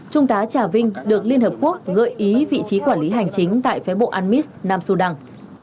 trung tá trà vinh được liên hợp quốc gợi ý vị trí quản lý hành chính tại phái bộ anmis nam sudan